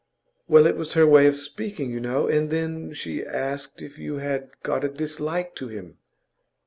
'Well, it was her way of speaking, you know. And then, she asked if you had got a dislike to him.